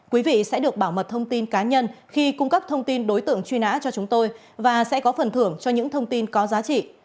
quý vị sẽ được bảo mật thông tin cá nhân khi cung cấp thông tin đối tượng truy nã cho chúng tôi và sẽ có phần thưởng cho những thông tin có giá trị